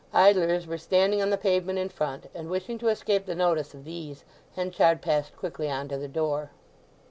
Idlers were standing on the pavement in front; and wishing to escape the notice of these Henchard passed quickly on to the door.